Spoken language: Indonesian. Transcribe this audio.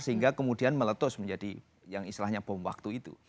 sehingga kemudian meletus menjadi yang istilahnya bom waktu itu